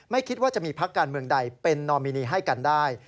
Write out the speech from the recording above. คิดว่าจะมีพักการเมืองใดเป็นนอมินีให้กันได้